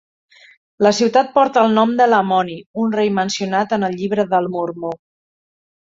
La ciutat porta el nom de Lamoni, un rei mencionat en el Llibre del Mormó.